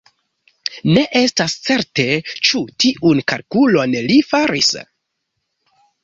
Ne estas certe, ĉu tiun kalkulon li faris.